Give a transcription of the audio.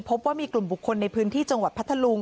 พบว่ามีกลุ่มบุคคลในพื้นที่จังหวัดพัทธลุง